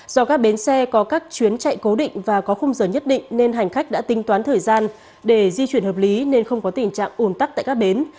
do các bến xe có các chuyến chạy cố định và có khung giờ nhất định nên hành khách đã tính toán thời gian để di chuyển hợp lý nên không có tình trạng ồn tắc tại các bến